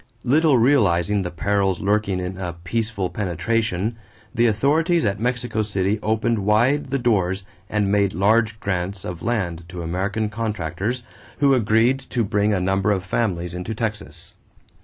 Little realizing the perils lurking in a "peaceful penetration," the authorities at Mexico City opened wide the doors and made large grants of land to American contractors, who agreed to bring a number of families into Texas.